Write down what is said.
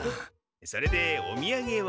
それでおみやげは？